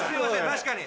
確かに。